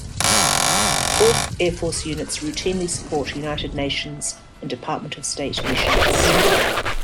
Fourth Air Force units routinely support United Nations and Department of State missions.